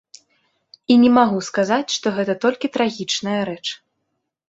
І не магу сказаць, што гэта толькі трагічная рэч.